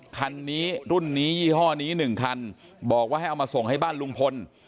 คันนี้รุ่นนี้ยี่ห้อนี้๑คันบอกว่าให้เอามาส่งให้บ้านลุงพล